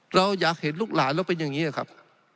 เราอยากเห็นลูกหลานเราเป็นอย่างนี้ครับ